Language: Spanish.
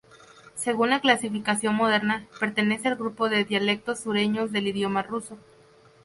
Según la clasificación moderna pertenece al grupo de dialectos sureños del idioma ruso.